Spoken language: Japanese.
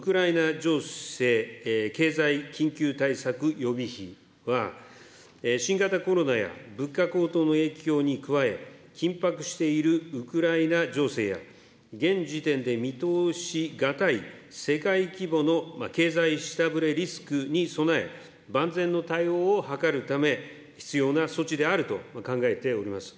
情勢経済緊急対策予備費は、新型コロナや物価高騰の影響に加え、緊迫しているウクライナ情勢や、現時点で見通し難い世界規模の経済下振れリスクに備え、万全の対応を図るため、必要な措置であると考えております。